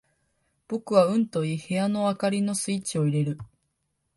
僕はうんと言い、部屋の灯りのスイッチを入れる。